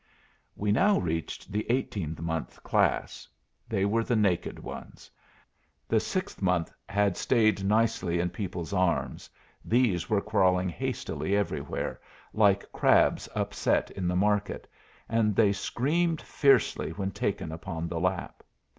We now reached the 18 month class. They were the naked ones. The 6 month had stayed nicely in people's arms; these were crawling hastily everywhere, like crabs upset in the market, and they screamed fiercely when taken upon the lap.